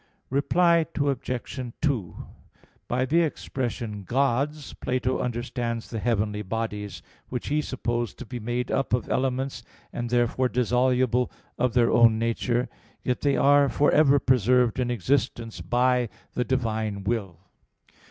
62). Reply Obj. 2: By the expression 'gods' Plato understands the heavenly bodies, which he supposed to be made up of elements, and therefore dissoluble of their own nature; yet they are for ever preserved in existence by the Divine will.